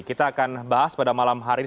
kita akan bahas pada malam hari ini